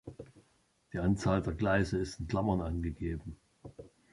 Die Anzahl der Gleise ist in Klammern angegeben.